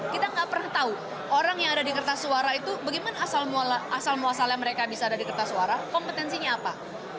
kita nggak pernah tahu orang yang ada di kertas suara itu bagaimana asal muasalnya mereka bisa ada di kertas suara kompetensinya apa